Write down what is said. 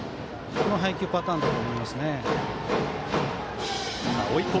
この配球パターンだと思いますね。